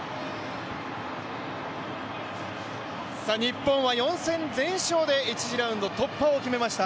日本は４戦全勝で１次ラウンド突破を決めました。